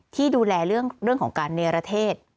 ที่ดูแลเรื่องของการเนรเทศ